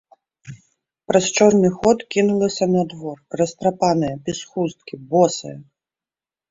Праз чорны ход кінулася на двор, растрапаная, без хусткі, босая.